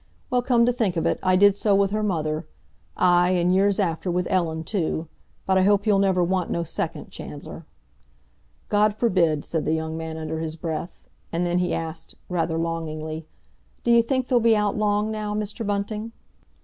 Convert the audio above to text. "Well, come to think of it, I did so with her mother; aye, and years after, with Ellen, too. But I hope you'll never want no second, Chandler." "God forbid!" said the young man under his breath. And then he asked, rather longingly, "D'you think they'll be out long now, Mr. Bunting?"